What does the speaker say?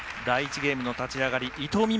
第１ゲームの立ち上がり伊藤